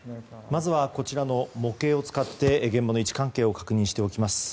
まずはこちらの模型を使って現場の位置関係を確認しておきます。